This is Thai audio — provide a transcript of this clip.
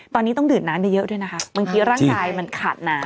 ตอนนี้ต้องดื่มน้ำเยอะด้วยนะคะบางทีร่างกายมันขาดน้ำ